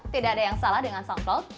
tidak ada yang salah dengan soundcloud